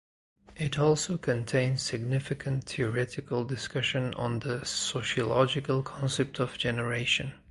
It also contains significant theoretical discussion on the sociological concept of generation.